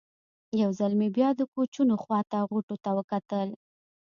یو ځل بیا مې د کوچونو خوا ته غوټو ته وکتل.